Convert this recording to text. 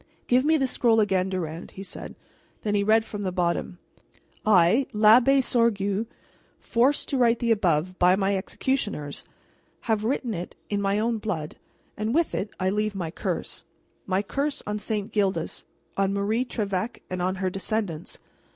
"Give me the scroll again, Durand," he said; then he read from the bottom: "I, l'Abbé Sorgue, forced to write the above by my executioners, have written it in my own blood; and with it I leave my curse. My curse on St. Gildas, on Marie Trevec, and on her descendants.